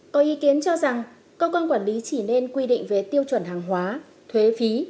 có ý kiến cho rằng cơ quan quản lý chỉ nên quy định về tiêu chuẩn hàng hóa thuế phí